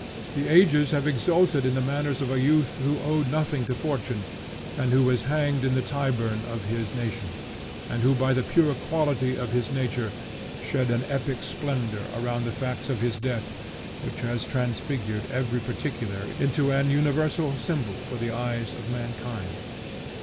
The ages have exulted in the manners of a youth who owed nothing to fortune, and who was hanged at the Tyburn of his nation, who, by the pure quality of his nature, shed an epic splendor around the facts of his death which has transfigured every particular into an universal symbol for the eyes of mankind.